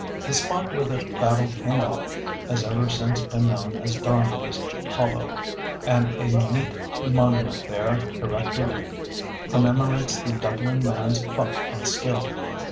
The spot where the battle came off has ever since been known as Donnelly's Hollow, and a neat monument there erected commemorates the Dublin man's pluck and skill.